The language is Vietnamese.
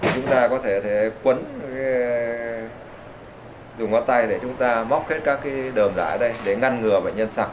chúng ta có thể quấn dùng ngón tay để chúng ta móc hết các cái đồm giả ở đây để ngăn ngừa bệnh nhân sạc